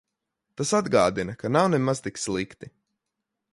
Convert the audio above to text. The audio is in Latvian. Tas atgādina, ka nav nemaz tik slikti.